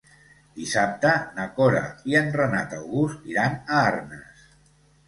Dissabte na Cora i en Renat August iran a Arnes.